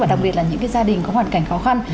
và đặc biệt là những gia đình có hoàn cảnh khó khăn